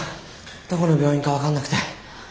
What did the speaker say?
どこの病院か分かんなくて。